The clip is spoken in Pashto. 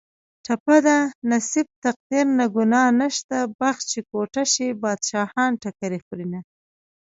ټپه ده: نصیب تقدیر نه ګناه نشته بخت چې کوټه شي بادشاهان ټکرې خورینه